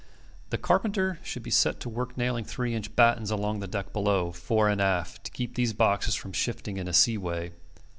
The carpenter should be set to work nailing three inch battens along the deck below, fore and aft, to keep these boxes from shifting in a sea way.